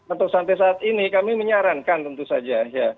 untuk sampai saat ini kami menyarankan tentu saja